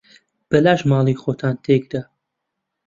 بەلاش ماڵی خۆتان تێک دا.